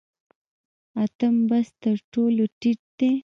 اتم بست تر ټولو ټیټ دی